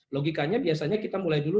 logikanya biasanya kita mulai dulu